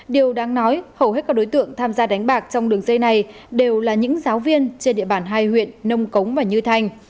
điều đáng nói hầu hết các đối tượng tham gia đánh bạc trong đường dây này đều là những giáo viên trên địa bàn hai huyện nông cống và như thành